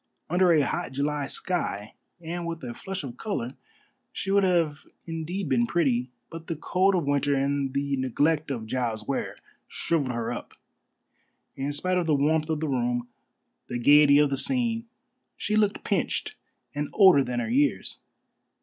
Under a hot July sky and with a flush of color she would have indeed been pretty; but the cold of winter and the neglect of Giles Ware shrivelled her up. In spite of the warmth of the room, the gaiety of the scene, she looked pinched and older than her years.